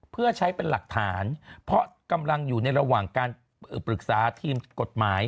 เพื่อใช้เป็นหลักฐานเพราะกำลังอยู่ในระหว่างการปรึกษาทีมกฎหมาย